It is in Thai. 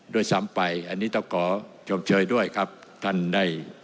ด้วยซ้ำไปอันนี้ต้องขอชมเชยด้วยครับท่านได้